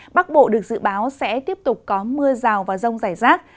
bắc bộ được dự báo sẽ tiếp tục có mưa rào và rông rải rác